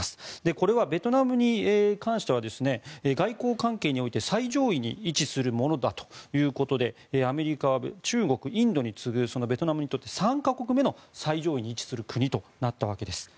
これはベトナムに関しては外交関係において最上位に位置するものだということでアメリカは中国、インドに次ぐベトナムにとって３か国目の最上位に位置する国となったわけです。